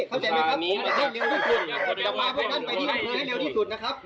ทำให้ไหมครับส่วนคุณจะมาพวกท่านไปที่อากาศเร็วที่สุดนะครับ